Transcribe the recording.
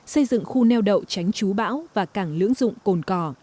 xây dựng khu neo đậu tránh chú bão và cảng lưỡng dụng cồn cỏ